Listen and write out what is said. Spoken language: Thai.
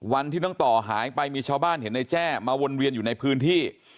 วันที่น้องต่อหายไปมีชาวบ้านเห็นในแจ้มาวนเวียนอยู่ในพื้นที่